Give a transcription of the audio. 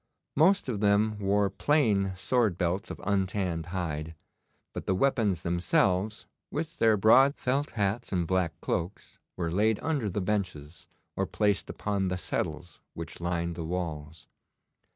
Most of them wore plain sword belts of untanned hide, but the weapons themselves, with their broad felt hats and black cloaks, were laid under the benches or placed upon the settles which lined the walls.